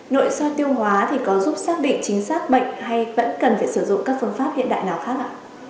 nội soi tiêu hóa thì có giúp xác định chính xác bệnh hay vẫn cần phải sử dụng các phương pháp hiện đại nào khác ạ